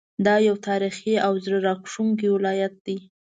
دا یو تاریخي او زړه راښکونکی ولایت دی.